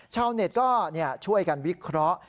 ชาวเน็ตก็ช่วยกันวิเคราะห์